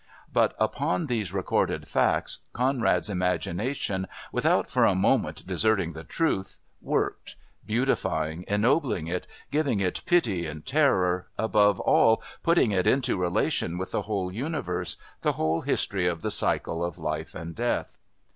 But upon these recorded facts Conrad's imagination, without for a moment deserting the truth, worked, beautifying, ennobling it, giving it pity and terror, above all putting it into relation with the whole universe, the whole history of the cycle of life and death.